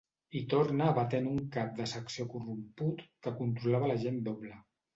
Hi torna abatent un cap de secció corromput que controlava l'agent doble.